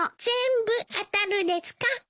全部当たるですか？